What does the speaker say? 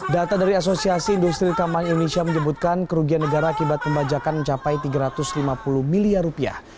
data dari asosiasi industri rekaman indonesia menyebutkan kerugian negara akibat pembajakan mencapai tiga ratus lima puluh miliar rupiah